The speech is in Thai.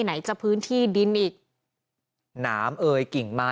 ไหนจะพื้นทีดินอีก